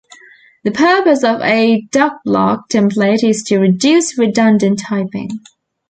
The purpose of a DocBlock template is to reduce redundant typing.